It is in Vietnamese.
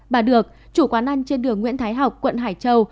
bà được chủ quán ăn trên đường nguyễn thái học quận hải châu